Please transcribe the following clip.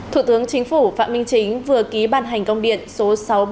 thủ tướng chính phủ phạm minh chính vừa ký bàn hành công điện số sáu trăm ba mươi bốn